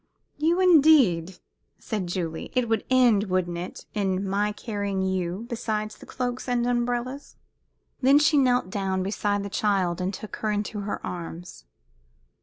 "You, indeed!" said Julie. "It would end, wouldn't it, in my carrying you besides the cloak and the umbrellas?" Then she knelt down beside the child and took her in her arms.